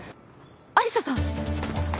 有沙さん！？